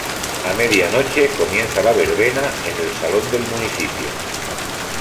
A medianoche comienza la verbena en el salón del municipio.